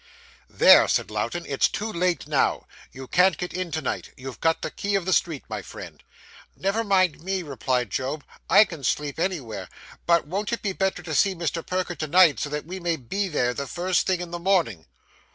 'There,' said Lowten, 'it's too late now. You can't get in to night; you've got the key of the street, my friend.' 'Never mind me,' replied Job. 'I can sleep anywhere. But won't it be better to see Mr. Perker to night, so that we may be there, the first thing in the morning?